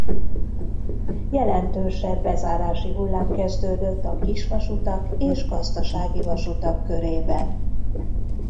Jelentősebb bezárási hullám kezdődött a kisvasutak és gazdasági vasutak körében.